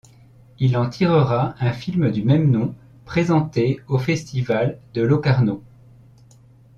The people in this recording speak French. Il en tirera un film du même nom, présenté au festival de Locarno.